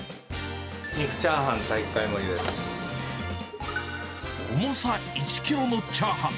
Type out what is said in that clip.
肉チャーハン、重さ１キロのチャーハン。